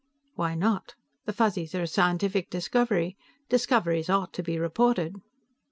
"Why not? The Fuzzies are a scientific discovery. Discoveries ought to be reported."